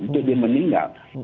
itu dia meninggal